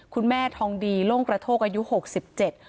คุณแม่ทองดีโล่งกระโทกอายุหกสิบเจ็ด